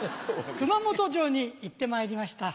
熊本城に行ってまいりました。